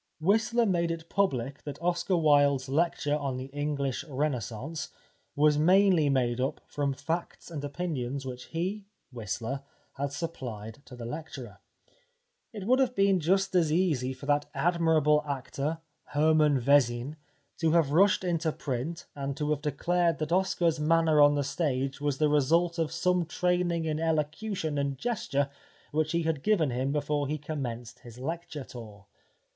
Whistler made it public that Oscar Wilde's lecture on the English Renaissance was mainly made up from facts and opinions which he, Whistler, had supplied to the lecturer. It would have been just as easy for that admirable actor, Hermann Vezin, to have rushed into print and to have declared that Oscar's manner on the stage was the result of some training in elocution and gesture which he had given him before he commenced his lecture tour.